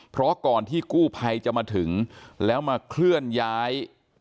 เพราะก่อนที่กู้ภัยจะมาถึงแล้วมาเคลื่อนย้าย